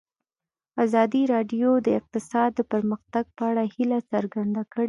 ازادي راډیو د اقتصاد د پرمختګ په اړه هیله څرګنده کړې.